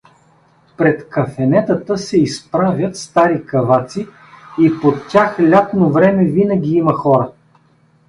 Пред кафенетата се изправят стари каваци и под тях лятно време винаги има хора.